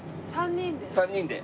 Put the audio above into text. ３人で？